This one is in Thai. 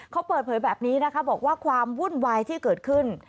เขาเปิดเผยแบบนี้นะคะบอกว่าความวุ่นวายที่เกิดขึ้น